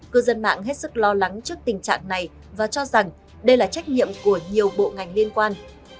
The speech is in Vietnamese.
cư dân mạng hết sức lo lắng trước tình trạng này và cho rằng đây là trách nhiệm của nhiều bộ ngành liên quan